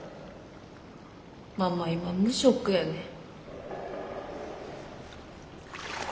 ママ今無職やねん。